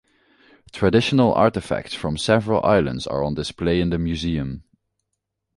Traditional artifacts from several islands are on display in the museum.